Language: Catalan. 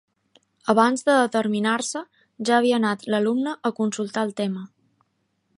Abans de determinar-se, ja havia anat l'alumne a consultar el tema.